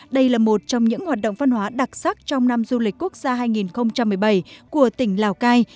đây là một trong những hoạt động văn hóa đặc sắc trong năm du lịch quốc gia hai nghìn một mươi bảy của tỉnh lào cai